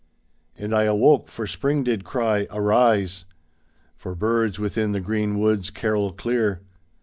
And I awoke, for Spring did cry "Arise ! For birds within the green woods carol clear."